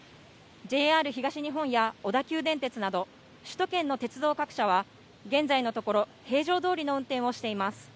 ＪＲ東日本や小田急電鉄など、首都圏の鉄道各社は、現在のところ、平常どおりの運転をしています。